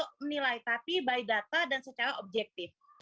untuk menilai tapi by data dan secara objektif